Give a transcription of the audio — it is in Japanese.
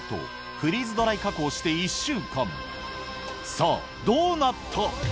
さぁどうなった？